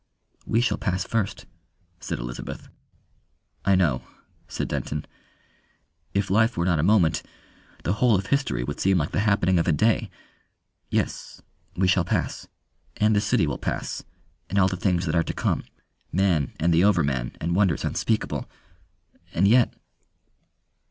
"We shall pass first," said Elizabeth. "I know," said Denton. "If life were not a moment, the whole of history would seem like the happening of a day.... Yes we shall pass. And the city will pass, and all the things that are to come. Man and the Overman and wonders unspeakable. And yet